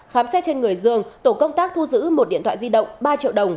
khám xét trên người dương tổ công tác thu giữ một điện thoại di động ba triệu đồng